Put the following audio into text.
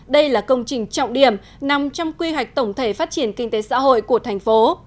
đây là công trình trọng điểm nằm trong quy hoạch tổng thể phát triển kinh tế xã hội của thành phố